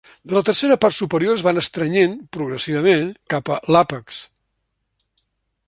De la tercera part superior es van estrenyent progressivament cap a l'àpex.